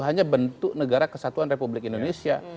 hanya bentuk negara kesatuan republik indonesia